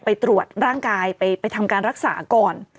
ไปตรวจร่างกายไปทำการรักษาก่อน